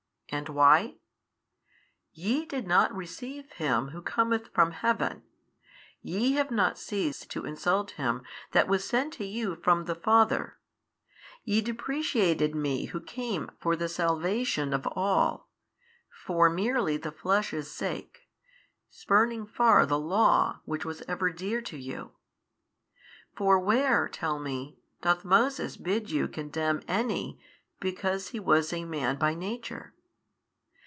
And why? Ye did not receive Him Who cometh from Heaven, ye have not ceased to insult Him That was sent to you from the Father, ye depreciated Me Who came for the salvation of all, for merely the flesh's sake, spurning far the Law which was ever dear to you. For where (tell me) doth Moses bid you condemn any because he was a man by nature?